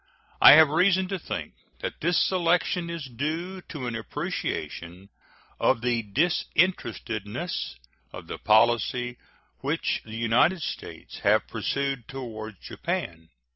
I have reason to think that this selection is due to an appreciation of the disinterestedness of the policy which the United States have pursued toward Japan.